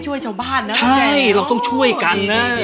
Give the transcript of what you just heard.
ช่วยชาวบ้านนะใช่เราต้องช่วยกันนะ